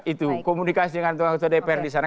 itu komunikasi dengan tuan tuan dpr di sana